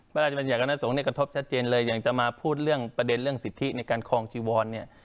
พระราชบัญญัคณะสงฆ์เนี่ยกระทบชัดเจนเลยอย่างจะมาพูดเรื่องประเด็นเรื่องสิทธิในการคลองจีวรเนี่ย